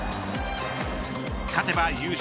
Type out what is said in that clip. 勝てば優勝